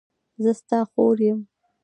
زه ستا خور یم.